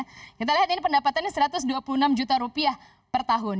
kita lihat ini pendapatannya satu ratus dua puluh enam juta rupiah per tahun